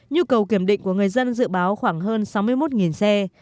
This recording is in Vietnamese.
nhu cầu kiểm định của người dân dự báo khoảng hơn sáu mươi một xe